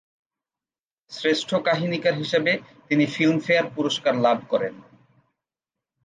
শ্রেষ্ঠ কাহিনীকার হিসাবে তিনি ফিল্ম ফেয়ার পুরস্কার লাভ করেন।